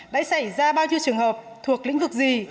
đã xảy ra bao nhiêu trường hợp thuộc lĩnh vực gì